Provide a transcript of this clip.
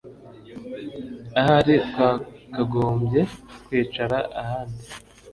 Ahari twakagombye kwicara ahandi